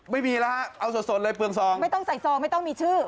ไม่มีแล้วฮะเอาสดสดเลยเปลืองซองไม่ต้องใส่ซองไม่ต้องมีชื่อ